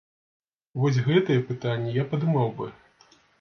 Вось гэтыя пытанні я падымаў бы.